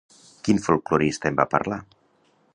Quin folklorista en va parlar?